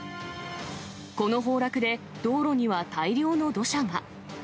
この崩落で、道路には大量の土砂が。